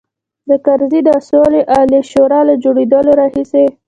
د کرزي د سولې عالي شورا له جوړېدلو راهیسې.